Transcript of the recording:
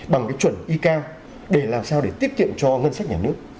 bằng cái chuẩn y cao để làm sao để tiết kiệm cho ngân sách nhà nước